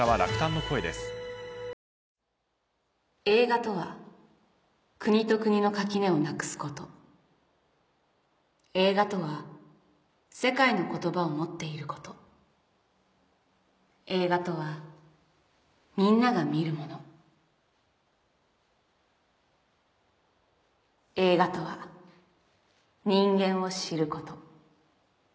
「映画とは国と国の垣根をなくすこと」「映画とは世界の言葉を持っていること」「映画とはみんなが見るもの」「映画とは人間を知ること」